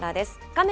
画面